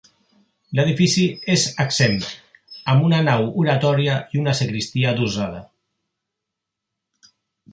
L'edifici és exempt, amb una nau oratòria i una sagristia adossada.